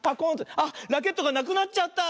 あっラケットがなくなっちゃった。